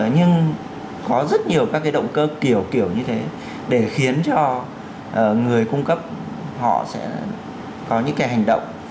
nhưng có rất nhiều các cái động cơ kiểu kiểu kiểu như thế để khiến cho người cung cấp họ sẽ có những cái hành động